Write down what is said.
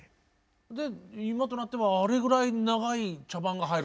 で今となってはあれぐらい長い茶番が入る？